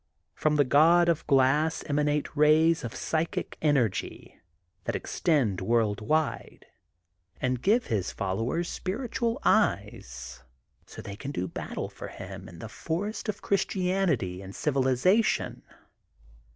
From the god of glass emanate rays of psy chic force that extend world wide, and give his followers spiritual eyes so they can do battle for him in the forest of Christianity and civilization.